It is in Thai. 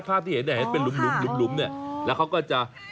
ภาพที่เห็นเป็นหลุมแล้วเขาก็จะ